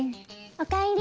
おかえり。